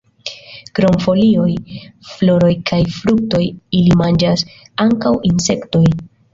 Krom folioj, floroj kaj fruktoj, ili manĝas ankaŭ insektojn.